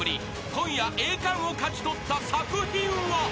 ［今夜栄冠を勝ち取った作品は］